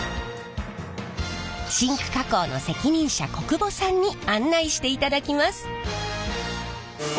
シンク加工の責任者小久保さんに案内していただきます。